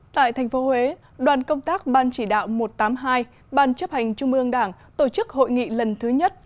tại thành phố huế đoàn công tác ban chỉ đạo một trăm tám mươi hai ban chấp hành trung ương đảng tổ chức hội nghị lần thứ nhất